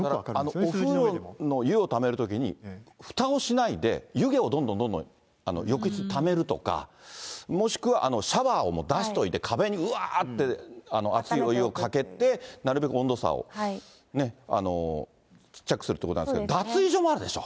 お風呂の湯をためるときに、ふたをしないで、湯気をどんどんどんどん浴室にためるとか、もしくはシャワーを出しといて、壁にうわーって熱いお湯をかけて、なるべく温度差を、ね、ちっちゃくするっていうことなんですけど、脱衣所もあるでしょ。